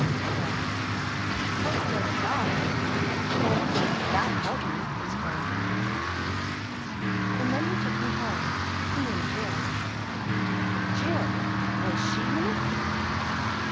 "Well, he pulled the others off, and of course that helped me," explained David truthfully. "And then he took me home he and Jill." "Jill! Was she in it?"